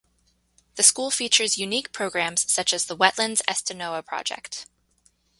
The school features unique programs such as the Wetlands Estonoa Project.